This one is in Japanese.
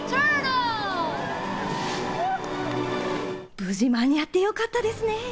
無事、間に合ってよかったですね。